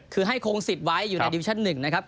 คือให้คงสิทธิ์ไว้อยู่ในดิวิชั่น๑นะครับ